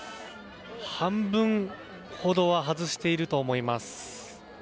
半分ほどは外していると思います。